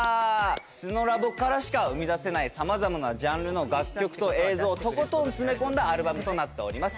スノラボからしか生み出せない様々なジャンルの楽曲と映像をとことん詰め込んだアルバムとなっております。